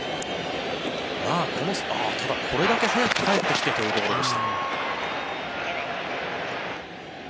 ただ、これだけ早く返ってきてというところでした。